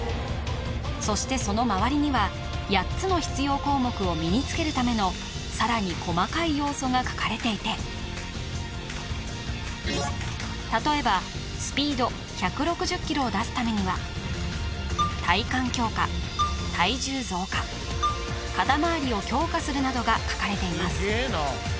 そしてその周りには８つの必要項目を身につけるためのさらに細かい要素が書かれていて例えば「スピード１６０ｋｍ／ｈ」を出すためには「体幹強化」「体重増加」「肩周りを強化」するなどが書かれています